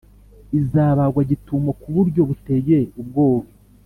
izabagwa gitumo ku buryo buteye ubwoba,